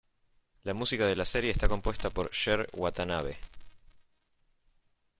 La música de la serie está compuesta por Cher Watanabe.